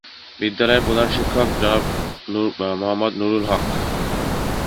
বিদ্যালয়ের প্রধান শিক্ষক জনাব মোহাম্মদ নুরুল হক।